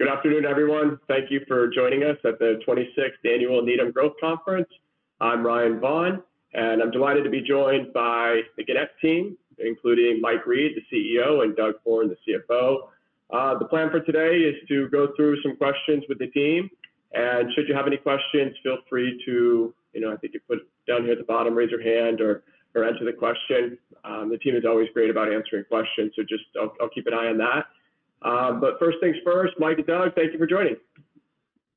Good afternoon, everyone. Thank you for joining us at the 26th Annual Needham Growth Conference. I'm Ryan Vaughan, and I'm delighted to be joined by the Gannett team, including Mike Reed, the CEO, and Doug Horne, the CFO. The plan for today is to go through some questions with the team, and should you have any questions, feel free to, you know, I think you put down here at the bottom, raise your hand or enter the question. The team is always great about answering questions, so just I'll keep an eye on that. But first things first, Mike and Doug, thank you for joining.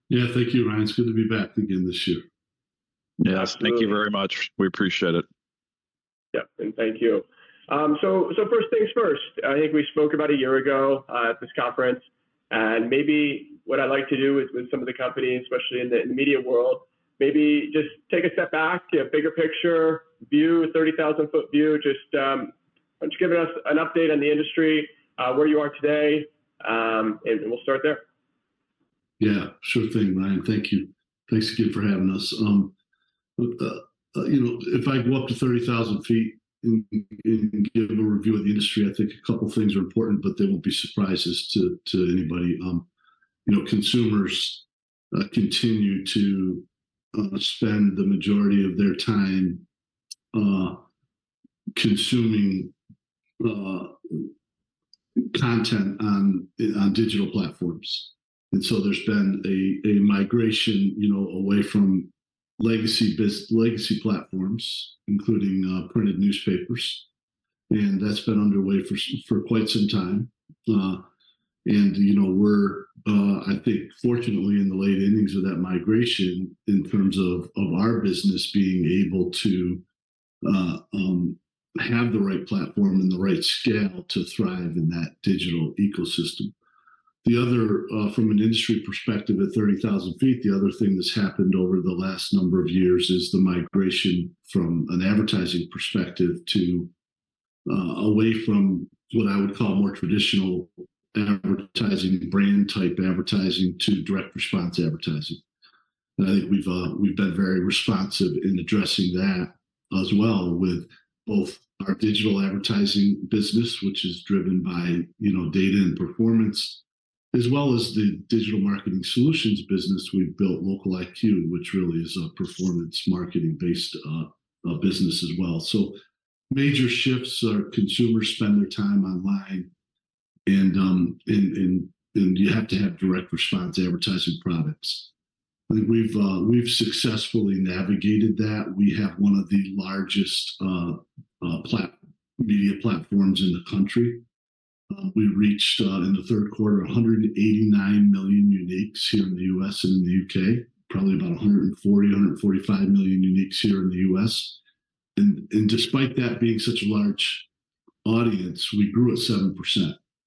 Yeah, thank you, Ryan. It's good to be back again this year. Yes, thank you very much. We appreciate it. Yep, and thank you. So first things first. I think we spoke about a year ago at this conference, and maybe what I'd like to do with some of the company, especially in the media world, maybe just take a step back to a bigger picture view, 30,000 ft view. Just why don't you give us an update on the industry, where you are today, and we'll start there. Yeah, sure thing, Ryan. Thank you. Thanks again for having us. You know, if I go up to 30,000 ft and give a review of the industry, I think a couple of things are important, but they won't be surprises to anybody. You know, consumers continue to spend the majority of their time consuming content on digital platforms. And so there's been a migration, you know, away from legacy platforms, including printed newspapers, and that's been underway for quite some time. You know, we're, I think fortunately in the late innings of that migration in terms of our business being able to have the right platform and the right scale to thrive in that digital ecosystem. The other, from an industry perspective, at 30,000 ft, the other thing that's happened over the last number of years is the migration from an advertising perspective to, away from what I would call more traditional advertising, brand type advertising, to direct response advertising. And I think we've been very responsive in addressing that as well with both our digital advertising business, which is driven by, you know, data and performance, as well as the Digital Marketing Solutions business we've built, LocaliQ, which really is a performance marketing-based business as well. So major shifts are consumers spend their time online and you have to have direct response advertising products. I think we've successfully navigated that. We have one of the largest media platforms in the country. We reached, in the third quarter, 189 million uniques here in the U.S. and in the U.K., probably about 140 million-145 million uniques here in the U.S. And despite that being such a large audience, we grew at 7%,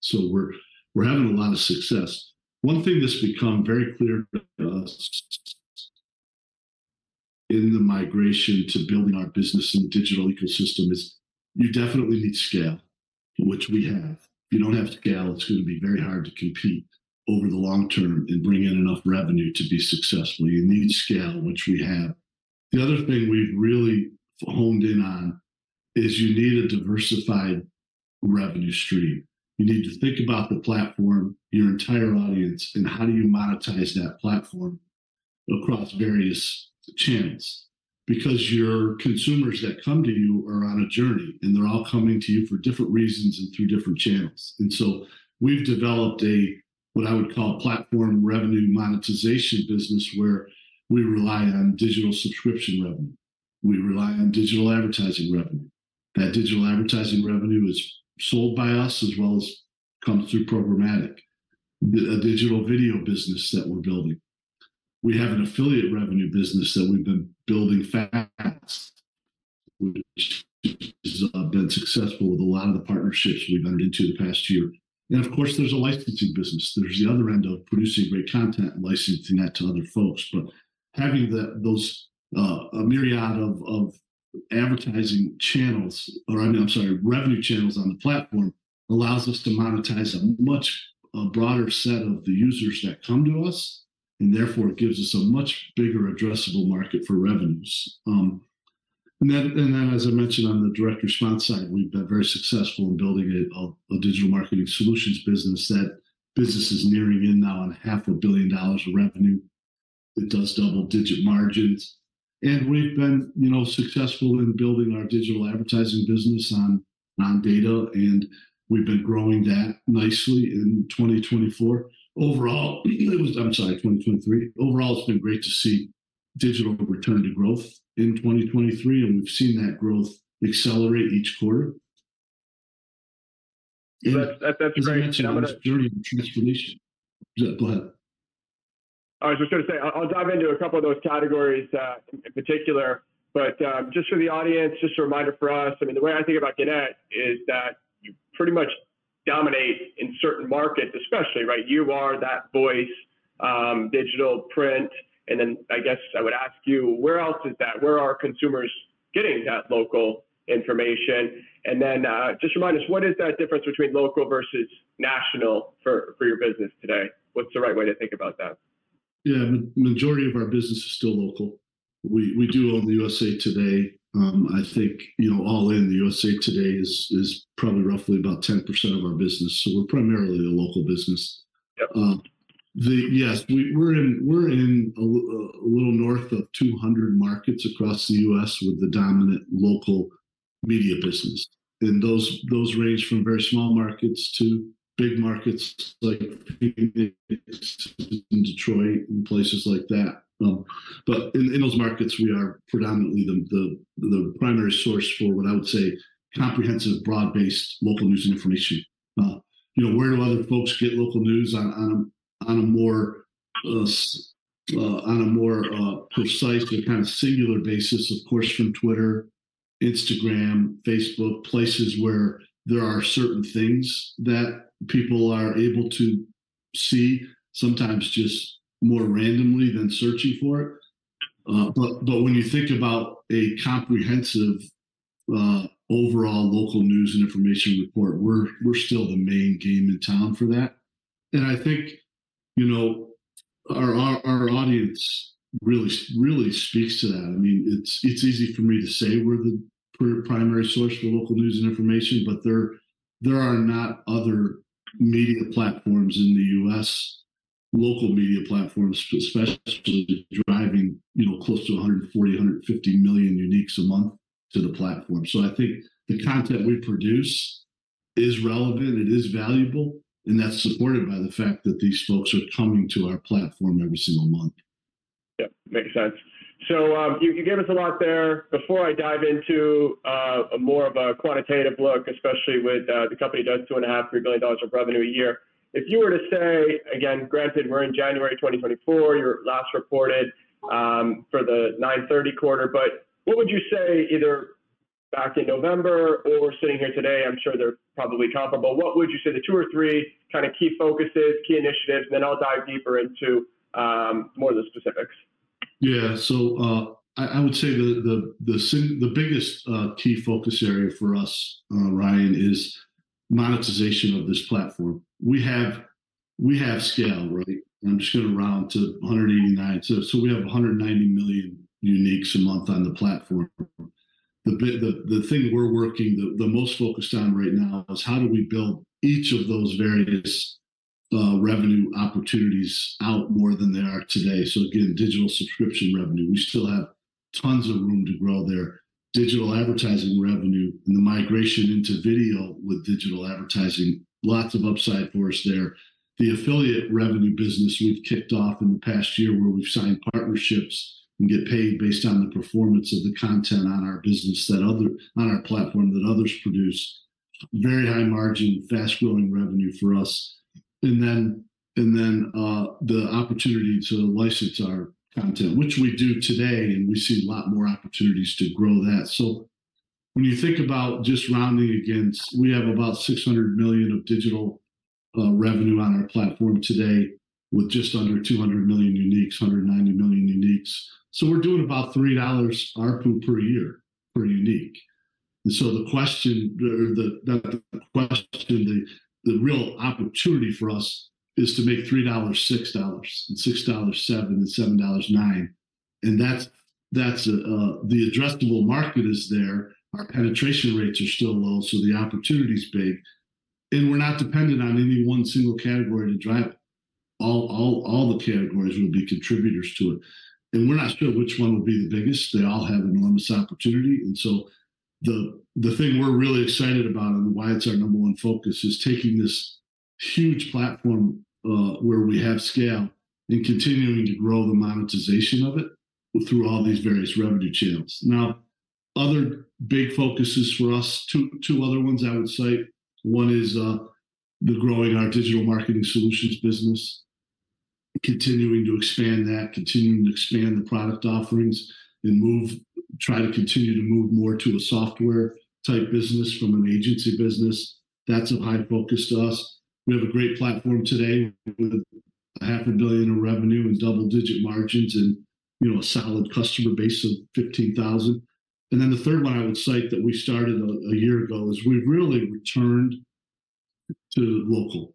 so we're having a lot of success. One thing that's become very clear to us in the migration to building our business in the digital ecosystem is you definitely need scale, which we have. If you don't have scale, it's gonna be very hard to compete over the long term and bring in enough revenue to be successful. You need scale, which we have. The other thing we've really honed in on is you need a diversified revenue stream. You need to think about the platform, your entire audience, and how do you monetize that platform across various channels? Because your consumers that come to you are on a journey, and they're all coming to you for different reasons and through different channels. So we've developed a, what I would call a platform revenue monetization business, where we rely on digital subscription revenue. We rely on digital advertising revenue. That digital advertising revenue is sold by us as well as comes through programmatic, a digital video business that we're building. We have an affiliate revenue business that we've been building fast, which has been successful with a lot of the partnerships we've entered into the past year. Of course, there's a licensing business. There's the other end of producing great content and licensing that to other folks. But having those a myriad of advertising channels, or I'm sorry, revenue channels on the platform, allows us to monetize a much broader set of the users that come to us, and therefore, it gives us a much bigger addressable market for revenues. And then, as I mentioned on the direct response side, we've been very successful in building a Digital Marketing Solutions business. That business is nearing now on $500 million of revenue. It does double-digit margins, and we've been, you know, successful in building our digital advertising business on data, and we've been growing that nicely in 2024. Overall, it was... I'm sorry, 2023. Overall, it's been great to see digital return to growth in 2023, and we've seen that growth accelerate each quarter. That's, that's- As I mentioned, it's been a transformation. Yeah, go ahead. I was just gonna say, I'll dive into a couple of those categories, in particular, but, just for the audience, just a reminder for us, I mean, the way I think about Gannett is that you pretty much dominate in certain markets, especially, right? You are that voice, digital, print, and then I guess I would ask you, where else is that? Where are consumers getting that local information? And then, just remind us, what is that difference between local versus national for, for your business today? What's the right way to think about that? ... Yeah, majority of our business is still local. We do own the USA TODAY. I think, you know, all in the USA TODAY is probably roughly about 10% of our business, so we're primarily a local business. Yep. Yes, we're in a little north of 200 markets across the U.S. with the dominant local media business, and those range from very small markets to big markets, like in Detroit and places like that. But in those markets, we are predominantly the primary source for what I would say, comprehensive, broad-based local news information. You know, where do other folks get local news on a more precise and kind of singular basis? Of course, from Twitter, Instagram, Facebook, places where there are certain things that people are able to see, sometimes just more randomly than searching for it. But when you think about a comprehensive overall local news and information report, we're still the main game in town for that. I think, you know, our audience really speaks to that. I mean, it's easy for me to say we're the primary source for local news and information, but there are not other media platforms in the U.S., local media platforms, especially driving, you know, close to 140 million-150 million uniques a month to the platform. I think the content we produce is relevant, it is valuable, and that's supported by the fact that these folks are coming to our platform every single month. Yep, makes sense. So, you gave us a lot there. Before I dive into more of a quantitative look, especially with the company does $2.5-$3 billion of revenue a year. If you were to say... Again, granted, we're in January 2024, your last reported for the 9/30 quarter, but what would you say either back in November or sitting here today, I'm sure they're probably comparable. What would you say the two or three kind of key focuses, key initiatives? Then I'll dive deeper into more of the specifics. Yeah. So, I would say the biggest key focus area for us, Ryan, is monetization of this platform. We have scale, right? I'm just going to round to 189. So, we have 190 million uniques a month on the platform. The thing we're working, the most focused on right now is how do we build each of those various revenue opportunities out more than they are today? So again, digital subscription revenue, we still have tons of room to grow there. Digital advertising revenue and the migration into video with digital advertising, lots of upside for us there. The affiliate revenue business we've kicked off in the past year, where we've signed partnerships and get paid based on the performance of the content on our business, that other—on our platform, that others produce, very high margin, fast-growing revenue for us. And then the opportunity to license our content, which we do today, and we see a lot more opportunities to grow that. So when you think about just rounding against, we have about $600 million of digital revenue on our platform today, with just under 200 million uniques, 190 million uniques. So we're doing about $3 ARPU per year per unique. And so the question, the real opportunity for us is to make $3-$6 and $6-$7, and $7-$9. And that's the addressable market is there. Our penetration rates are still low, so the opportunity is big, and we're not dependent on any one single category to drive it. All the categories will be contributors to it, and we're not sure which one will be the biggest. They all have enormous opportunity, and so the thing we're really excited about and why it's our number one focus is taking this huge platform where we have scale and continuing to grow the monetization of it through all these various revenue channels. Now, other big focuses for us, two other ones I would cite. One is growing our Digital Marketing Solutions business, continuing to expand that, continuing to expand the product offerings and move try to continue to move more to a software-type business from an agency business. That's a high focus to us. We have a great platform today with half a billion in revenue and double-digit margins and, you know, a solid customer base of 15,000. And then the third one I would cite that we started a year ago is we've really returned to local,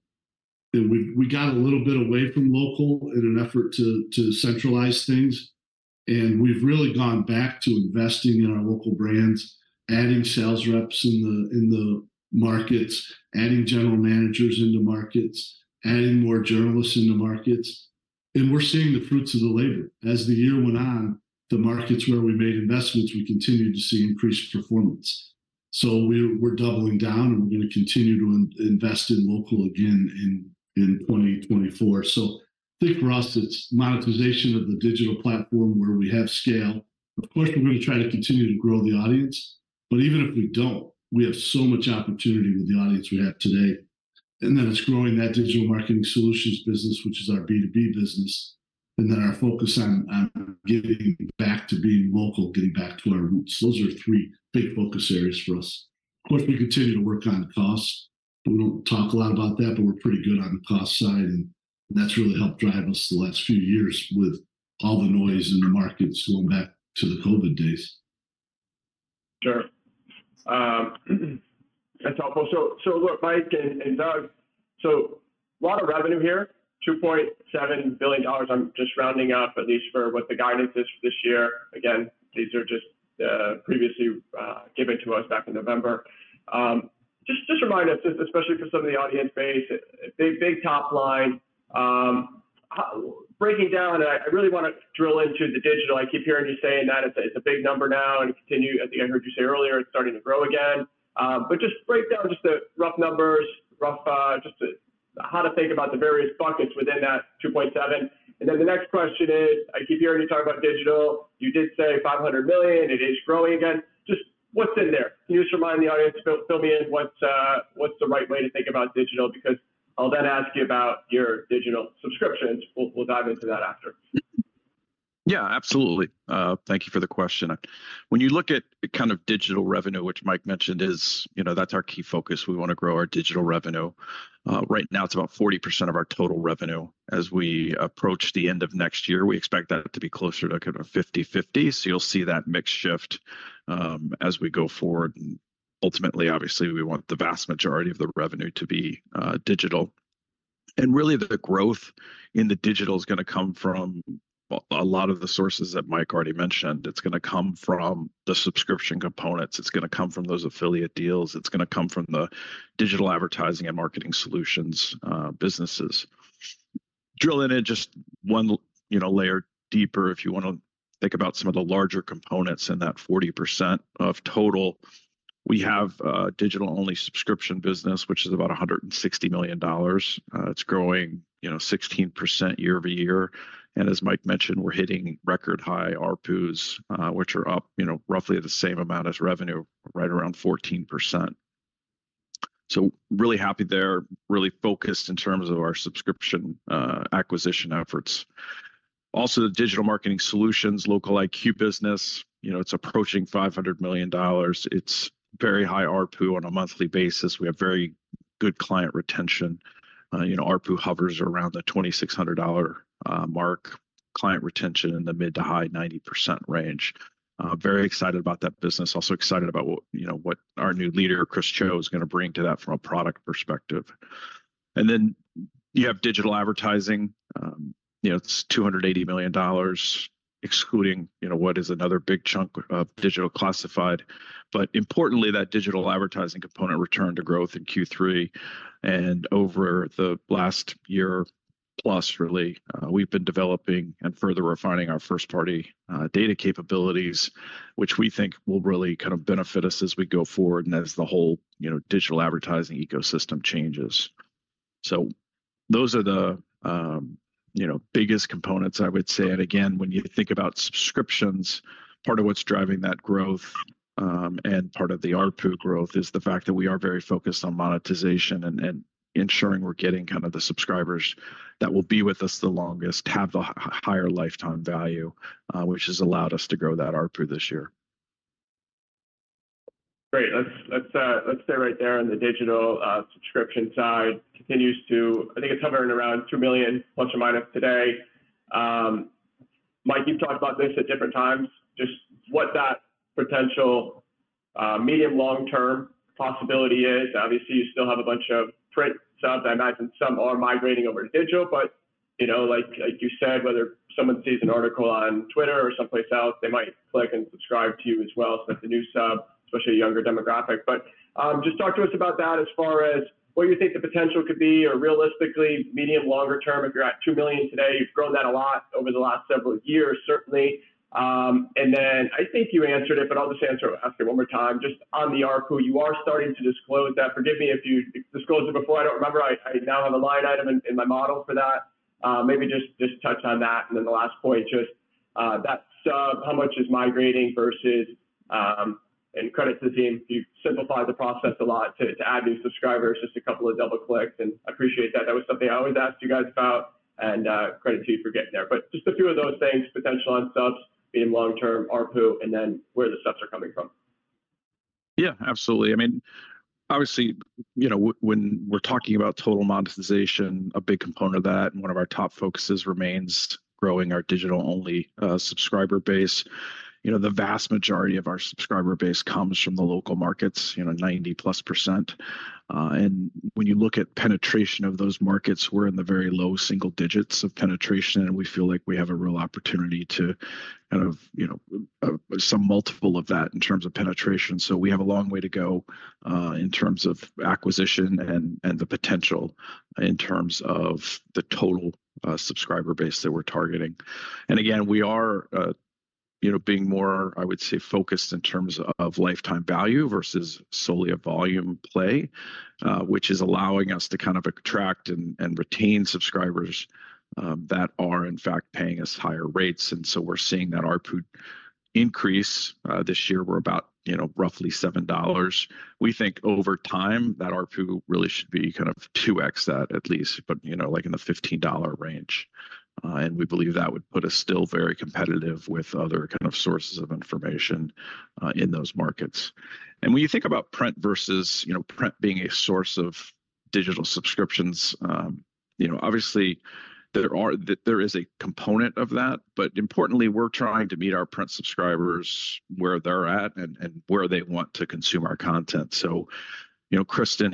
and we got a little bit away from local in an effort to centralize things, and we've really gone back to investing in our local brands, adding sales reps in the markets, adding general managers into markets, adding more journalists in the markets, and we're seeing the fruits of the labor. As the year went on, the markets where we made investments, we continued to see increased performance. So we're doubling down, and we're going to continue to invest in local again in 2024. So I think for us, it's monetization of the digital platform where we have scale. Of course, we're going to try to continue to grow the audience, but even if we don't, we have so much opportunity with the audience we have today. And then it's growing that Digital Marketing Solutions business, which is our B2B business, and then our focus on giving back to being local, getting back to our roots. Those are three big focus areas for us. Of course, we continue to work on cost. We don't talk a lot about that, but we're pretty good on the cost side, and that's really helped drive us the last few years with all the noise in the markets going back to the COVID days.... Sure. That's helpful. So, look, Mike and Doug, so a lot of revenue here, $2.7 billion. I'm just rounding up, at least for what the guidance is for this year. Again, these are just previously given to us back in November. Just remind us, just especially for some of the audience base, big top line. Breaking down, I really wanna drill into the digital. I keep hearing you saying that it's a big number now, and it continues—as I heard you say earlier, it's starting to grow again. But just break down the rough numbers, rough, just how to think about the various buckets within that $2.7 billion. And then the next question is, I keep hearing you talk about digital. You did say 500 million; it is growing again. Just what's in there? Can you just remind the audience, fill me in, what's the right way to think about digital? Because I'll then ask you about your digital subscriptions. We'll dive into that after. Yeah, absolutely. Thank you for the question. When you look at the kind of digital revenue, which Mike mentioned, you know, that's our key focus. We wanna grow our digital revenue. Right now, it's about 40% of our total revenue. As we approach the end of next year, we expect that to be closer to kind of 50/50. So you'll see that mix shift as we go forward. Ultimately, obviously, we want the vast majority of the revenue to be digital. And really, the growth in the digital is gonna come from a lot of the sources that Mike already mentioned. It's gonna come from the subscription components, it's gonna come from those affiliate deals, it's gonna come from the digital advertising and marketing solutions businesses. Drilling in just one, you know, layer deeper, if you wanna think about some of the larger components in that 40% of total, we have a digital-only subscription business, which is about $160 million. It's growing, you know, 16% year-over-year. And as Mike mentioned, we're hitting record high ARPUs, which are up, you know, roughly the same amount as revenue, right around 14%. So really happy there, really focused in terms of our subscription, acquisition efforts. Also, the Digital Marketing Solutions, LocaliQ business, you know, it's approaching $500 million. It's very high ARPU on a monthly basis. We have very good client retention. You know, ARPU hovers around the $2,600 mark. Client retention in the mid- to high-90% range. Very excited about that business. Also excited about what, you know, what our new leader, Chris Cho, is gonna bring to that from a product perspective. And then, you have digital advertising. You know, it's $280 million, excluding, you know, what is another big chunk of digital classified. But importantly, that digital advertising component returned to growth in Q3, and over the last year, plus really, we've been developing and further refining our first-party data capabilities, which we think will really kind of benefit us as we go forward and as the whole, you know, digital advertising ecosystem changes. So those are the, you know, biggest components, I would say. And again, when you think about subscriptions, part of what's driving that growth, and part of the ARPU growth, is the fact that we are very focused on monetization and ensuring we're getting kind of the subscribers that will be with us the longest, have a higher lifetime value, which has allowed us to grow that ARPU this year. Great. Let's stay right there on the digital subscription side. Continues to... I think it's hovering around 2 million± today. Mike, you've talked about this at different times. Just what that potential, medium, long-term possibility is. Obviously, you still have a bunch of print subs. I imagine some are migrating over to digital, but, you know, like, like you said, whether someone sees an article on Twitter or someplace else, they might click and subscribe to you as well. So that's a new sub, especially a younger demographic. But, just talk to us about that as far as what you think the potential could be or realistically, medium, longer term, if you're at 2 million today, you've grown that a lot over the last several years, certainly. And then I think you answered it, but I'll just ask it one more time. Just on the ARPU, you are starting to disclose that. Forgive me if you disclosed it before, I don't remember. I now have a line item in my model for that. Maybe just touch on that. And then the last point, just that sub, how much is migrating versus and credit to the team, you've simplified the process a lot to add new subscribers, just a couple of double clicks, and I appreciate that. That was something I always asked you guys about, and credit to you for getting there. But just a few of those things, potential on subs being long term, ARPU, and then where the subs are coming from? Yeah, absolutely. I mean, obviously, you know, when we're talking about total monetization, a big component of that and one of our top focuses remains growing our digital-only subscriber base. You know, the vast majority of our subscriber base comes from the local markets, you know, 90%+. And when you look at penetration of those markets, we're in the very low single digits of penetration, and we feel like we have a real opportunity to kind of, you know, some multiple of that in terms of penetration. So we have a long way to go, in terms of acquisition and the potential in terms of the total subscriber base that we're targeting. And again, we are, you know, being more, I would say, focused in terms of lifetime value versus solely a volume play, which is allowing us to kind of attract and, and retain subscribers, that are in fact paying us higher rates. And so we're seeing that ARPU increase. This year we're about, you know, roughly $7. We think over time, that ARPU really should be kind of 2x that at least, but, you know, like in the $15 range. And we believe that would put us still very competitive with other kind of sources of information, in those markets. And when you think about print versus, you know, print being a source of digital subscriptions, you know, obviously there is a component of that, but importantly, we're trying to meet our print subscribers where they're at and where they want to consume our content. So, you know, Kristin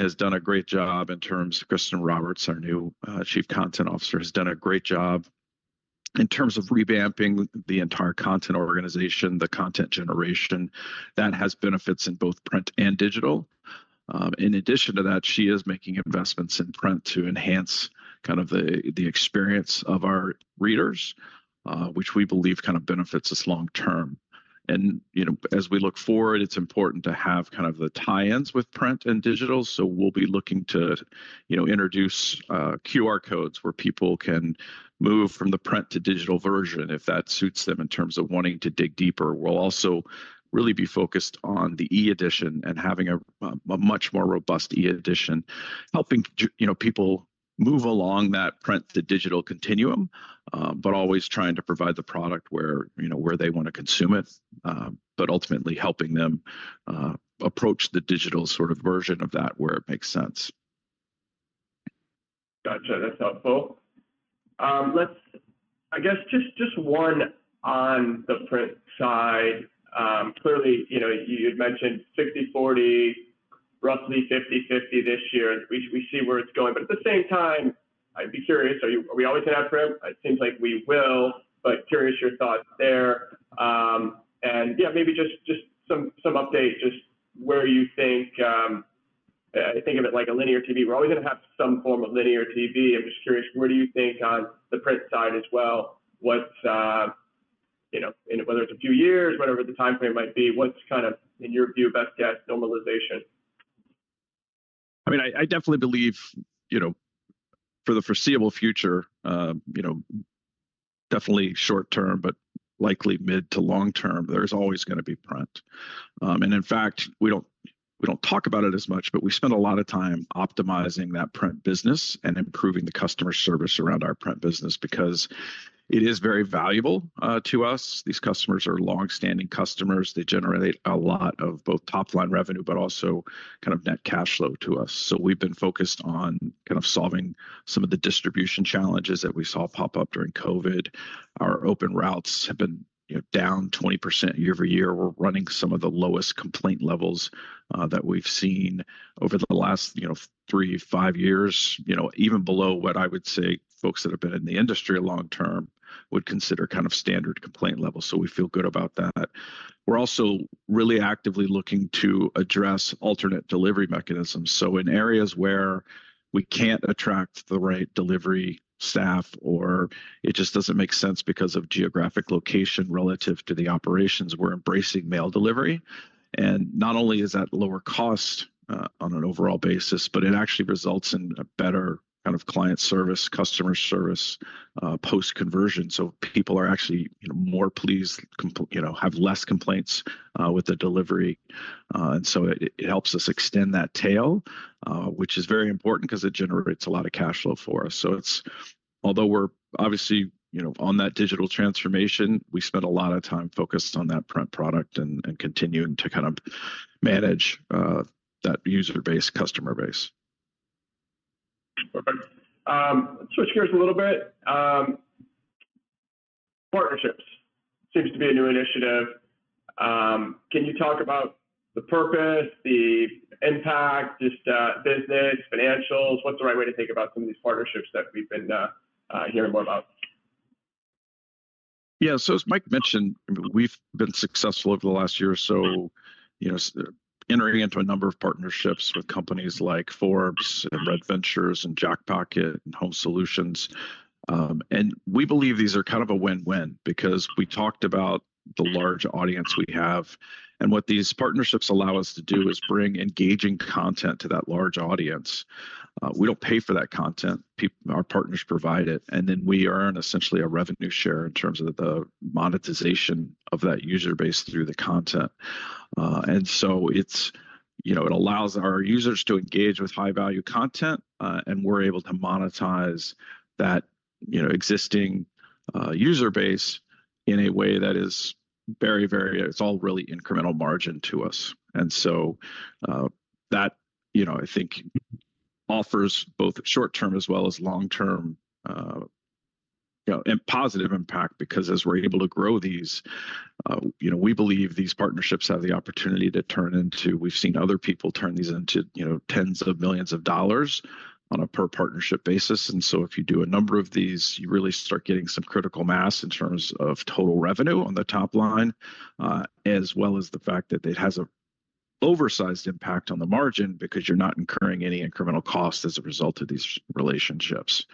Roberts, our new Chief Content Officer, has done a great job in terms of revamping the entire content organization, the content generation, that has benefits in both print and digital. In addition to that, she is making investments in print to enhance kind of the experience of our readers, which we believe kind of benefits us long term. And, you know, as we look forward, it's important to have kind of the tie-ins with print and digital. So we'll be looking to, you know, introduce QR codes, where people can move from the print to digital version if that suits them in terms of wanting to dig deeper. We'll also really be focused on the e-edition and having a much more robust e-edition, helping you know, people move along that print-to-digital continuum, but always trying to provide the product where, you know, where they want to consume it, but ultimately helping them approach the digital sort of version of that, where it makes sense. Gotcha, that's helpful. Let's—I guess just one on the print side. Clearly, you know, you'd mentioned 60/40, roughly 50/50 this year, and we see where it's going. But at the same time, I'd be curious, are we always gonna have print? It seems like we will, but curious your thoughts there. And yeah, maybe just some update, just where you think. I think of it like a linear TV. We're always gonna have some form of linear TV. I'm just curious, where do you think on the print side as well, what's, you know, and whether it's a few years, whatever the timeframe might be, what's kind of, in your view, best guess normalization? I mean, I definitely believe, you know, for the foreseeable future, you know, definitely short term, but likely mid to long term, there's always gonna be print. And in fact, we don't talk about it as much, but we spend a lot of time optimizing that print business and improving the customer service around our print business because it is very valuable to us. These customers are long-standing customers. They generate a lot of both top-line revenue, but also kind of net cash flow to us. So we've been focused on kind of solving some of the distribution challenges that we saw pop up during COVID. Our open routes have been, you know, down 20% year-over-year. We're running some of the lowest complaint levels that we've seen over the last, you know, three, five years, you know, even below what I would say folks that have been in the industry long term would consider kind of standard complaint levels. So we feel good about that. We're also really actively looking to address alternate delivery mechanisms. So in areas where we can't attract the right delivery staff, or it just doesn't make sense because of geographic location relative to the operations, we're embracing mail delivery. And not only is that lower cost on an overall basis, but it actually results in a better kind of client service, customer service post-conversion. So people are actually, you know, more pleased, you know, have less complaints with the delivery. And so it helps us extend that tail, which is very important 'cause it generates a lot of cash flow for us. So it's, although we're obviously, you know, on that digital transformation, we spend a lot of time focused on that print product and continuing to kind of manage that user base, customer base. Okay, switch gears a little bit. Partnerships seems to be a new initiative. Can you talk about the purpose, the impact, just business, financials? What's the right way to think about some of these partnerships that we've been hearing more about? Yeah, so as Mike mentioned, we've been successful over the last year or so, you know, entering into a number of partnerships with companies like Forbes and Red Ventures and Jackpocket and Home Solutions. And we believe these are kind of a win-win because we talked about the large audience we have, and what these partnerships allow us to do is bring engaging content to that large audience. We don't pay for that content, our partners provide it, and then we earn essentially a revenue share in terms of the monetization of that user base through the content. And so it's, you know, it allows our users to engage with high-value content, and we're able to monetize that, you know, existing user base in a way that is very, very... It's all really incremental margin to us. And so, you know, I think offers both short-term as well as long-term, you know, and positive impact, because as we're able to grow these, you know, we believe these partnerships have the opportunity to turn into. We've seen other people turn these into, you know, tens of millions of dollars on a per-partnership basis. And so if you do a number of these, you really start getting some critical mass in terms of total revenue on the top line, as well as the fact that it has an outsized impact on the margin because you're not incurring any incremental cost as a result of these relationships.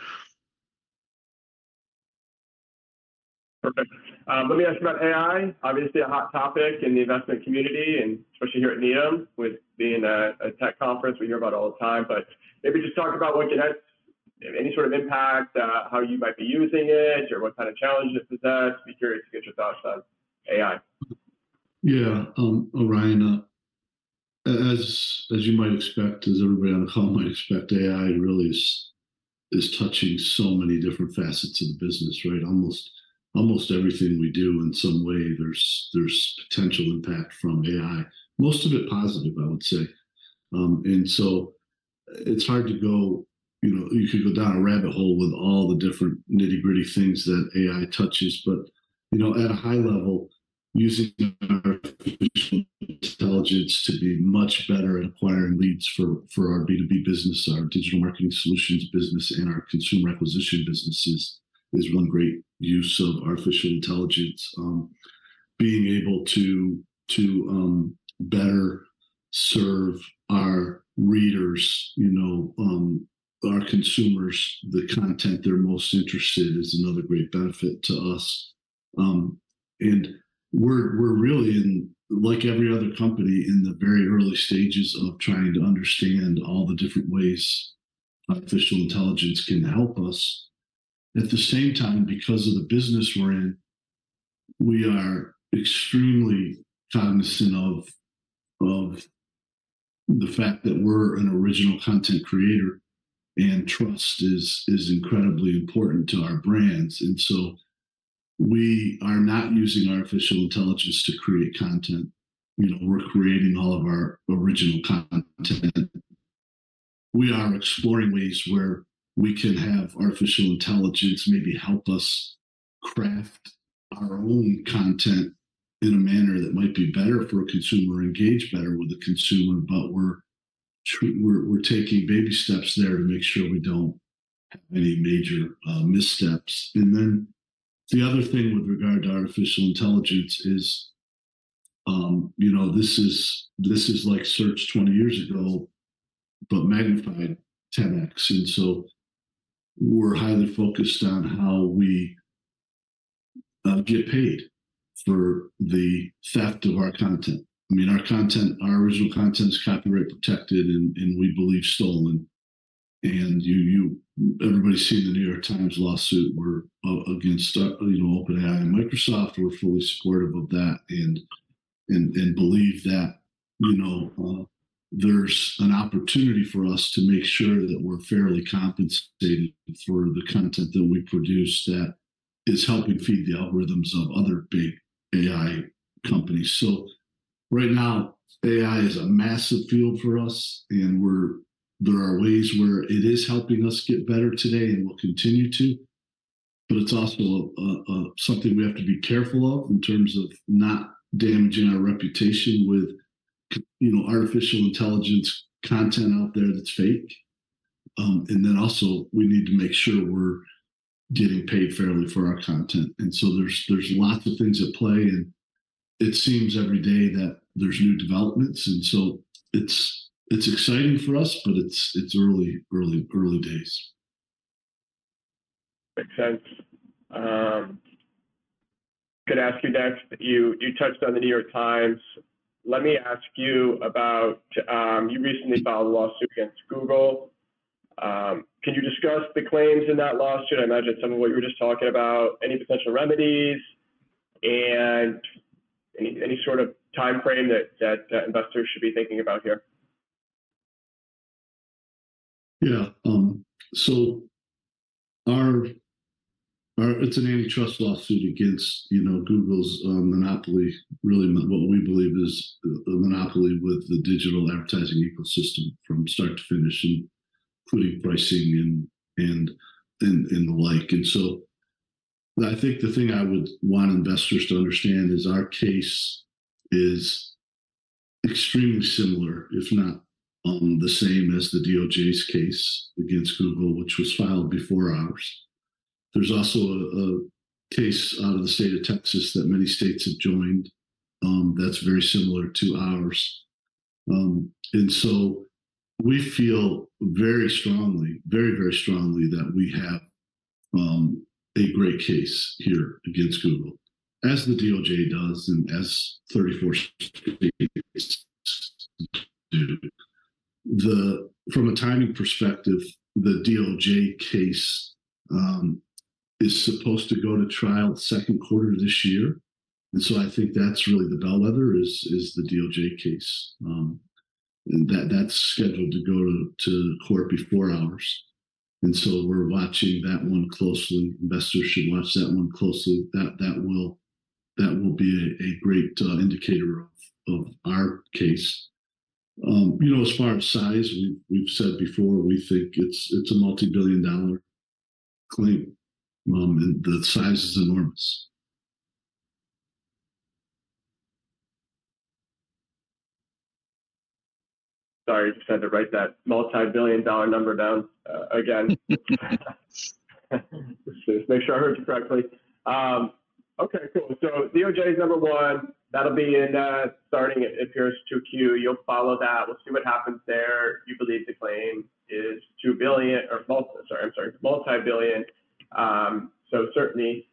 Perfect. Let me ask you about AI. Obviously, a hot topic in the investment community, and especially here at Needham. With being a tech conference, we hear about it all the time, but maybe just talk about what it has, any sort of impact, how you might be using it, or what kind of challenges it poses? Be curious to get your thoughts on AI. Yeah, Ryan, as you might expect, as everybody on the call might expect, AI really is touching so many different facets of the business, right? Almost everything we do in some way, there's potential impact from AI. Most of it positive, I would say. And so it's hard to go, you know, you could go down a rabbit hole with all the different nitty-gritty things that AI touches, but, you know, at a high level, using artificial intelligence to be much better at acquiring leads for our B2B business, our Digital Marketing Solutions business, and our consumer acquisition businesses, is one great use of artificial intelligence. Being able to better serve our readers, you know, our consumers, the content they're most interested is another great benefit to us. And we're really in, like every other company, in the very early stages of trying to understand all the different ways artificial intelligence can help us. At the same time, because of the business we're in, we are extremely cognizant of the fact that we're an original content creator, and trust is incredibly important to our brands, and so we are not using artificial intelligence to create content. You know, we're creating all of our original content. We are exploring ways where we can have artificial intelligence maybe help us craft our own content in a manner that might be better for a consumer, engage better with the consumer, but we're taking baby steps there to make sure we don't have any major missteps. And then the other thing with regard to artificial intelligence is, you know, this is like search 20 years ago, but magnified 10x. And so we're highly focused on how we get paid for the theft of our content. I mean, our content, our original content is copyright protected and we believe stolen. And everybody's seen the New York Times lawsuit where against you know, OpenAI and Microsoft. We're fully supportive of that and believe that, you know, there's an opportunity for us to make sure that we're fairly compensated for the content that we produce that is helping feed the algorithms of other big AI companies. So right now, AI is a massive field for us, and we're—there are ways where it is helping us get better today, and will continue to, but it's also, something we have to be careful of in terms of not damaging our reputation with, you know, artificial intelligence content out there that's fake. And then also, we need to make sure we're getting paid fairly for our content. And so there's, there's lots of things at play, and it seems every day that there's new developments, and so it's, it's exciting for us, but it's, it's early, early, early days. Makes sense. Could I ask you next? You touched on the New York Times. Let me ask you about you recently filed a lawsuit against Google. Can you discuss the claims in that lawsuit? I imagine some of what you were just talking about, any potential remedies, and any sort of timeframe that investors should be thinking about here? Yeah. So our—it's an antitrust lawsuit against, you know, Google's monopoly. Really, what we believe is a monopoly with the digital advertising ecosystem from start to finish, including pricing and the like. And so I think the thing I would want investors to understand is our case is extremely similar, if not, the same as the DOJ's case against Google, which was filed before ours. There's also a case out of the state of Texas that many states have joined, that's very similar to ours. And so we feel very strongly, very, very strongly that we have a great case here against Google, as the DOJ does and as 34 states do. From a timing perspective, the DOJ case is supposed to go to trial second quarter this year. And so I think that's really the bellwether is the DOJ case. That's scheduled to go to court before ours, and so we're watching that one closely. Investors should watch that one closely. That will be a great indicator of our case. You know, as far as size, we've said before, we think it's a multi-billion-dollar claim. And the size is enormous. Sorry, just had to write that multi-billion-dollar number down, again. Just make sure I heard you correctly. Okay, cool. So DOJ is number one. That'll be in, starting, it appears, 2Q. You'll follow that. We'll see what happens there. You believe the claim is $2 billion or multiple—Sorry, I'm sorry, multi-billion. So certainly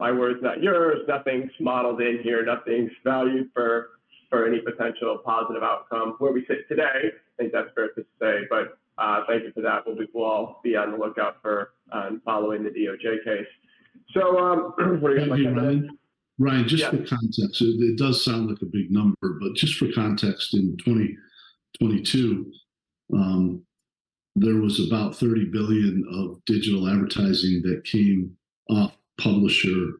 my words, not yours. Nothing's modeled in here. Nothing's valued for any potential positive outcome. Where we sit today, I think that's fair to say, but, thank you for that. We'll be—we'll all be on the lookout for following the DOJ case. So, what do you think? Ryan, just for context, it does sound like a big number, but just for context, in 2022, there was about $30 billion of digital advertising that came off publisher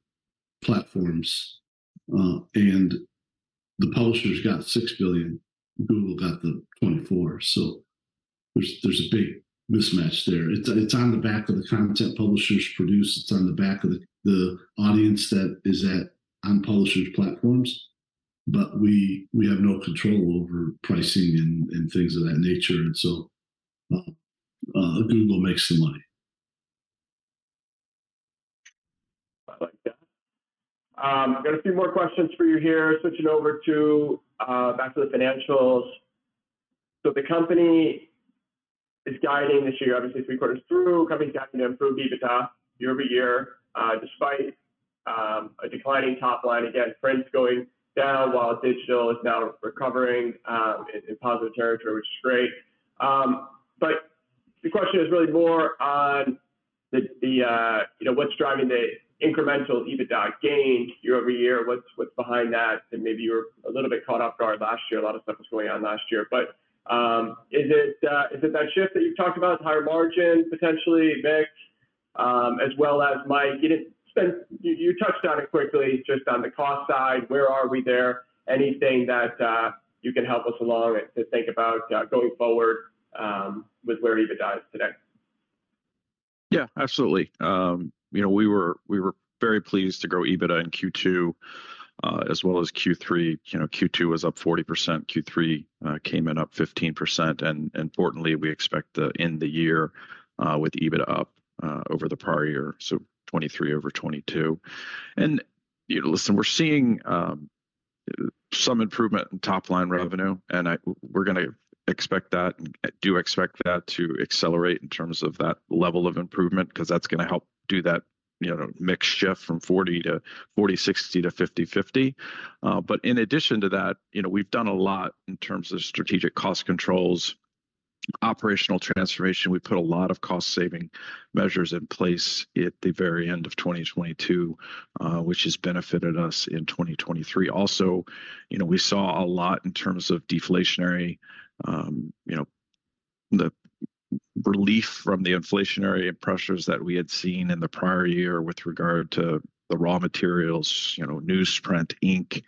platforms. And the publishers got $6 billion, Google got the $24 billion. So there's a big mismatch there. It's on the back of the content publishers produce. It's on the back of the audience that is on publishers platforms, but we have no control over pricing and things of that nature, and so Google makes the money. I like that. Got a few more questions for you here. Switching over to back to the financials. So the company is guiding this year, obviously, three quarters through, company's guiding to improve EBITDA year-over-year, despite a declining top line. Again, print's going down while digital is now recovering in positive territory, which is great. But the question is really more on the you know, what's driving the incremental EBITDA gain year-over-year? What's behind that? And maybe you were a little bit caught off guard last year. A lot of stuff was going on last year. But is it that shift that you've talked about, higher margin, potentially mix, as well as Mike, you know... You touched on it quickly, just on the cost side, where are we there? Anything that you can help us along to think about going forward with where EBITDA is today? Yeah, absolutely. You know, we were very pleased to grow EBITDA in Q2, as well as Q3. You know, Q2 was up 40%, Q3 came in up 15%, and importantly, we expect the end the year with EBITDA up over the prior year, so 2023 over 2022. And, you know, listen, we're seeing some improvement in top line revenue, and we're gonna expect that, do expect that to accelerate in terms of that level of improvement, 'cause that's gonna help do that, you know, mix shift from 40 to 40/60 to 50/50. But in addition to that, you know, we've done a lot in terms of strategic cost controls, operational transformation. We put a lot of cost saving measures in place at the very end of 2022, which has benefited us in 2023. Also, you know, we saw a lot in terms of deflationary, you know, the relief from the inflationary pressures that we had seen in the prior year with regard to the raw materials, you know, newsprint, ink,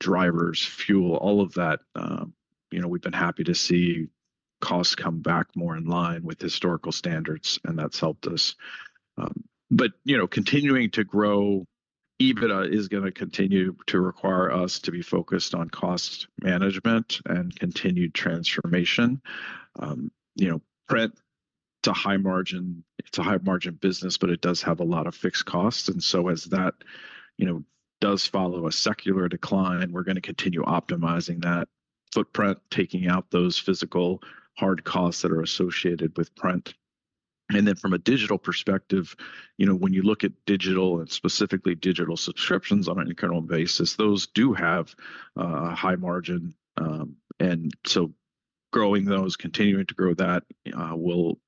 drivers, fuel, all of that. You know, we've been happy to see costs come back more in line with historical standards, and that's helped us. But, you know, continuing to grow EBITDA is gonna continue to require us to be focused on cost management and continued transformation. You know, print, it's a high margin- it's a high margin business, but it does have a lot of fixed costs, and so as that, you know, does follow a secular decline, we're gonna continue optimizing that footprint, taking out those physical hard costs that are associated with print. From a digital perspective, you know, when you look at digital, and specifically digital subscriptions on an incremental basis, those do have a high margin. And so growing those, continuing to grow that, will,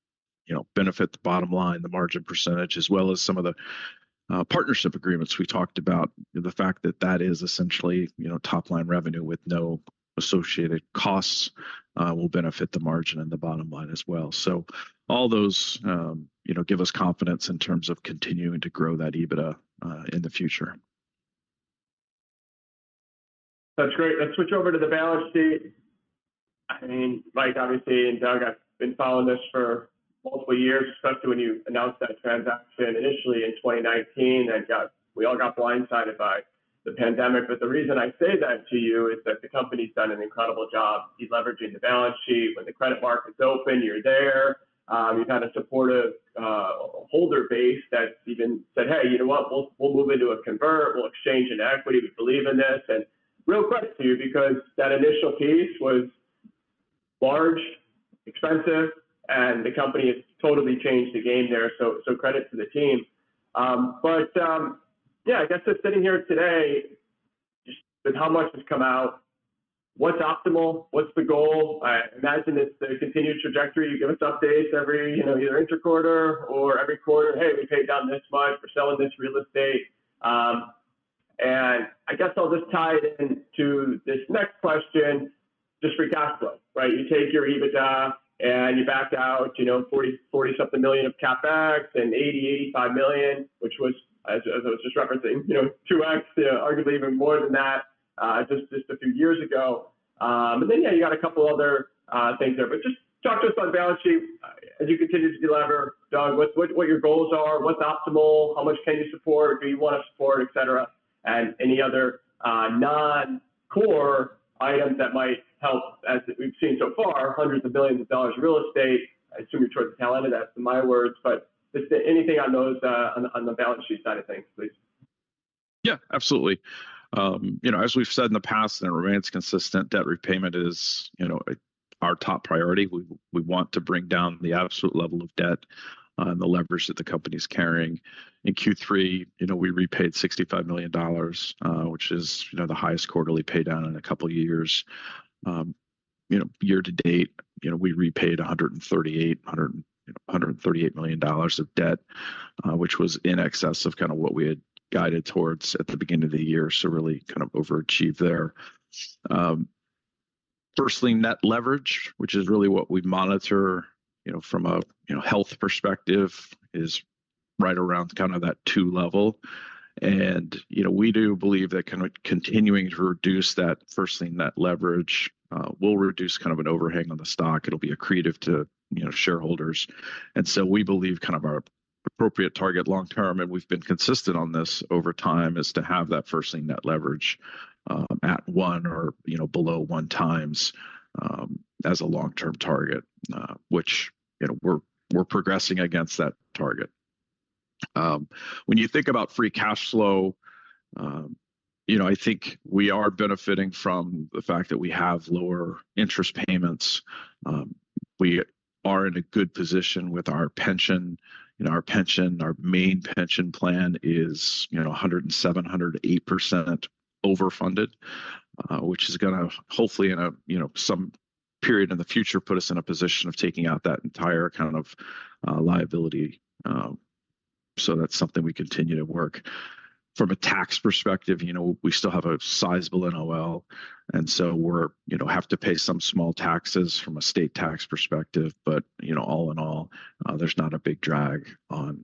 you know, benefit the bottom line, the margin percentage, as well as some of the partnership agreements we talked about. The fact that that is essentially, you know, top line revenue with no associated costs will benefit the margin and the bottom line as well. All those, you know, give us confidence in terms of continuing to grow that EBITDA in the future. That's great. Let's switch over to the balance sheet. I mean, Mike, obviously, and Doug, I've been following this for multiple years, especially when you announced that transaction initially in 2019 and got-- we all got blindsided by the pandemic. But the reason I say that to you is that the company's done an incredible job deleveraging the balance sheet. When the credit markets open, you're there. You've had a supportive holder base that even said: "Hey, you know what? We'll, we'll move into a convert, we'll exchange in equity. We believe in this." And real quick to you, because that initial piece was large, expensive, and the company has totally changed the game there, so, so credit to the team. Yeah, I guess just sitting here today, just with how much has come out, what's optimal? What's the goal? I imagine it's a continued trajectory. You give us updates every, you know, either interquarter or every quarter, "Hey, we paid down this much. We're selling this real estate." And I guess I'll just tie it into this next question, just for cash flow, right? You take your EBITDA and you back out, you know, $40-something million of CapEx and $80 million-$85 million, which was, as I was just referencing, you know, 2x, arguably even more than that, just a few years ago. And then, yeah, you got a couple other things there. But just talk to us on balance sheet, as you continue to delever, Doug, what your goals are, what's optimal, how much can you support, do you want to support, et cetera, and any other non-core items that might help, as we've seen so far, hundreds of billions of dollars of real estate, I assume you towards the tail end of that, in my words. But just anything on those, on the balance sheet side of things, please. Yeah, absolutely. You know, as we've said in the past, and it remains consistent, debt repayment is, you know, our top priority. We want to bring down the absolute level of debt and the leverage that the company is carrying. In Q3, you know, we repaid $65 million, which is, you know, the highest quarterly pay down in a couple of years. You know, year to date, you know, we repaid $138 million of debt, which was in excess of kind of what we had guided towards at the beginning of the year. So really kind of overachieved there. Firstly, net leverage, which is really what we monitor, you know, from a health perspective, is right around kind of that two level. You know, we do believe that kind of continuing to reduce that first lien net leverage will reduce kind of an overhang on the stock. It'll be accretive to, you know, shareholders. And so we believe kind of our appropriate target long-term, and we've been consistent on this over time, is to have that first lien net leverage at one or, you know, below one times as a long-term target, which, you know, we're progressing against that target. When you think about free cash flow, you know, I think we are benefiting from the fact that we have lower interest payments. We are in a good position with our pension. You know, our pension, our main pension plan is, you know, 107%-108% overfunded, which is gonna hopefully in a, you know, some period in the future, put us in a position of taking out that entire kind of liability. So that's something we continue to work. From a tax perspective, you know, we still have a sizable NOL, and so we're, you know, have to pay some small taxes from a state tax perspective, but, you know, all in all, there's not a big drag on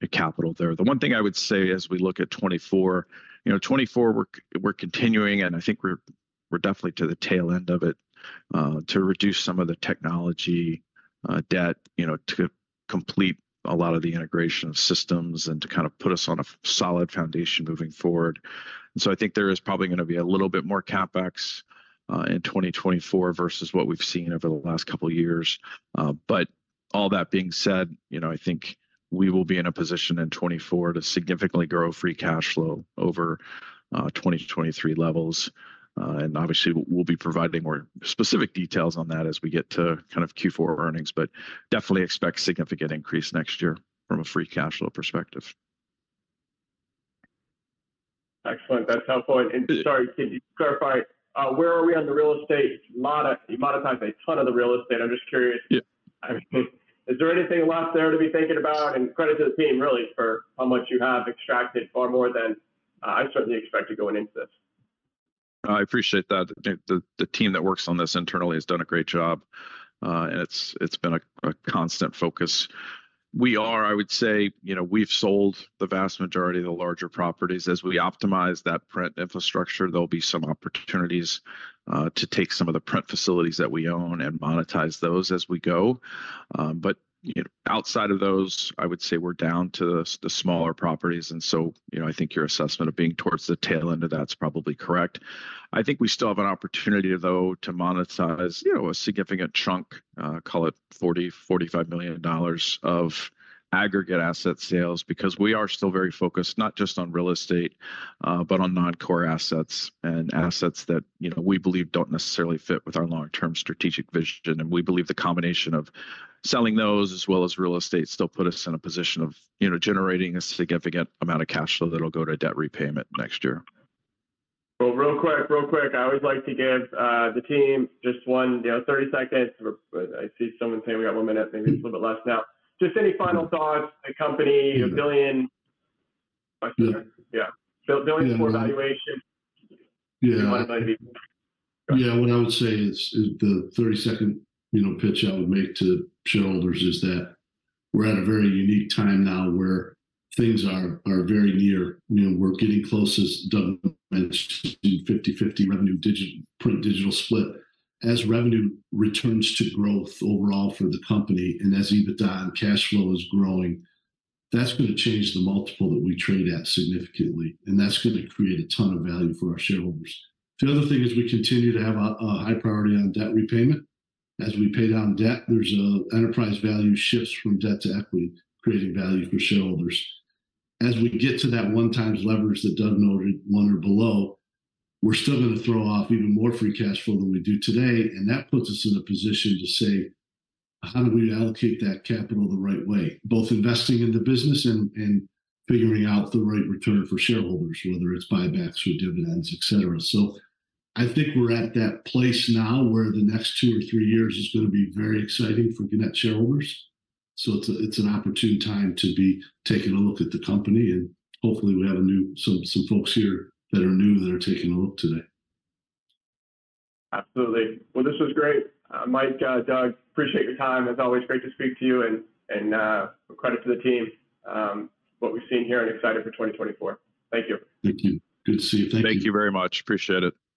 the capital there. The one thing I would say as we look at 2024, you know, 2024, we're, we're continuing, and I think we're, we're definitely to the tail end of it, to reduce some of the technology, debt, you know, to complete a lot of the integration of systems and to kind of put us on a solid foundation moving forward. And so I think there is probably gonna be a little bit more CapEx, in 2024 versus what we've seen over the last couple of years. But all that being said, you know, I think we will be in a position in 2024 to significantly grow free cash flow over, 2023 levels. And obviously, we'll be providing more specific details on that as we get to kind of Q4 earnings, but definitely expect significant increase next year from a free cash flow perspective. Excellent. That's helpful. Sorry, can you clarify where we are on the real estate monetizing a ton of the real estate? I'm just curious. Yeah. I mean, is there anything left there to be thinking about? And credit to the team, really, for how much you have extracted, far more than, I certainly expected going into this. I appreciate that. The team that works on this internally has done a great job, and it's been a constant focus. I would say, you know, we've sold the vast majority of the larger properties. As we optimize that print infrastructure, there'll be some opportunities to take some of the print facilities that we own and monetize those as we go. But, you know, outside of those, I would say we're down to the smaller properties, and so, you know, I think your assessment of being towards the tail end of that's probably correct. I think we still have an opportunity, though, to monetize, you know, a significant chunk, call it $40 million-$45 million of aggregate asset sales, because we are still very focused, not just on real estate, but on non-core assets and assets that, you know, we believe don't necessarily fit with our long-term strategic vision. And we believe the combination of selling those, as well as real estate, still put us in a position of, you know, generating a significant amount of cash flow that'll go to debt repayment next year. Well, real quick, real quick. I always like to give the team just one, you know, 30 seconds. But I see someone saying we got one minute, maybe a little bit less now. Just any final thoughts, the company, $1 billion? Yeah. Yeah. Billion more valuation. Yeah. What it might be. Yeah, what I would say is the 30-second, you know, pitch I would make to shareholders is that we're at a very unique time now where things are very near. You know, we're getting closest to the 50/50 revenue digital/print split. As revenue returns to growth overall for the company, and as EBITDA and cash flow is growing, that's gonna change the multiple that we trade at significantly, and that's gonna create a ton of value for our shareholders. The other thing is we continue to have a high priority on debt repayment. As we pay down debt, there's a enterprise value shifts from debt to equity, creating value for shareholders. As we get to that 1x leverage that Doug noted, 1 or below, we're still gonna throw off even more free cash flow than we do today, and that puts us in a position to say, "How do we allocate that capital the right way?" Both investing in the business and, and figuring out the right return for shareholders, whether it's buybacks or dividends, etc. So I think we're at that place now where the next two or three years is gonna be very exciting for Gannett shareholders. So it's a, it's an opportune time to be taking a look at the company, and hopefully we have some folks here that are new, that are taking a look today. Absolutely. Well, this was great. Mike, Doug, appreciate your time. As always, great to speak to you and credit to the team, what we've seen here and excited for 2024. Thank you. Thank you. Good to see you. Thank you. Thank you very much. Appreciate it.